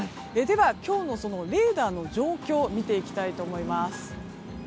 今日のレーダーの状況を見ていきたいと思います。